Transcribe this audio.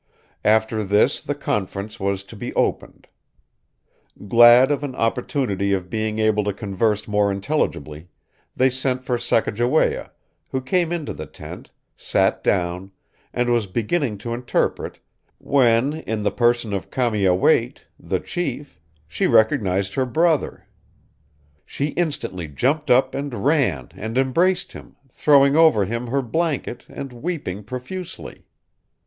After this the conference was to be opened. Glad of an opportunity of being able to converse more intelligibly, they sent for Sacajawea, who came into the tent, sat down, and was beginning to interpret, when in the person of Cameawait (the chief) she recognized her brother. She instantly jumped up and ran and embraced him, throwing over him her blanket, and weeping profusely.